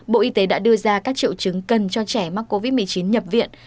bộ y tế đã đưa ra các triệu chứng cần cho trẻ mắc covid một mươi chín nhập viện